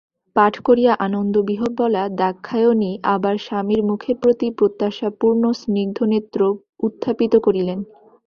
পাঠ করিয়া আনন্দবিহ্বলা দাক্ষায়ণী আবার স্বামীর মুখের প্রতি প্রত্যাশাপূর্ণ স্নিগ্ধনেত্র উত্থাপিত করিলেন।